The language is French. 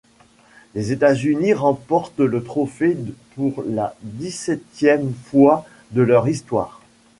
Les États-Unis remportent le trophée pour la dix-septième fois de leur histoire.